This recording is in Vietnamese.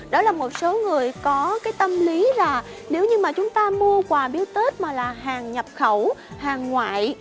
đó là một số người có cái tâm lý là nếu như mà chúng ta mua quà biếu tết mà là hàng nhập khẩu hàng ngoại